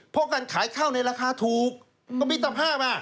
เพราะการขายข้าวในราคาถูกก็มิตรภาพ